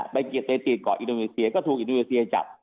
ไปติดเกาะอินุเวียเชอร์ก็ถูกเอดูเวียเชอร์จับ